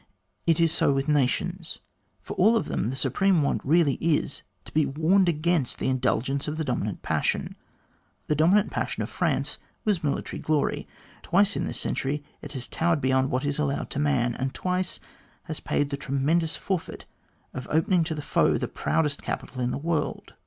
It is so with nations. For all of them the supreme want really is, to be warned against the indulgence of the dominant passion. The dominant passion of France was military .glory. Twice in this century it has towered beyond what is allowed to man; and twice has paid the tremendous forfeit of opening to the foe the proudest capital in the world.